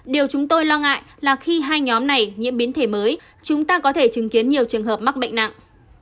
điều chúng tôi lo ngại là khi hai nhóm này nhiễm biến thể mới chúng ta có thể chứng kiến nhiều trường hợp mắc bệnh nặng